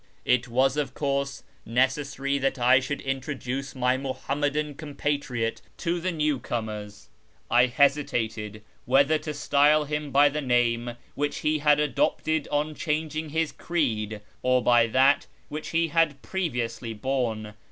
It was, of course, necessary that I should introduce my Muham madan compatriot to the new comers ; I hesitated whether to style him by the name which he had adopted on changing his creed, or by that which he had previously borne.